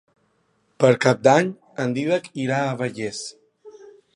Per Cap d'Any en Dídac irà a Vallés.